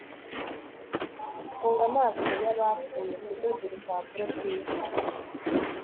Funga amaso yabapfuye kudoda urupapuro rwica